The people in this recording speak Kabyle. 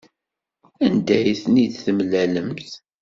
Anda ay ten-id-temlalemt?